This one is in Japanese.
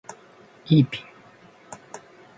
イーピン